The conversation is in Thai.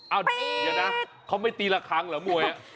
เอาเดี๋ยวนะเขาไม่ตีละครั้งเหรอมวย